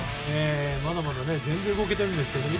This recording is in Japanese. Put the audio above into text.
まだまだ全然動けてるんですけどね。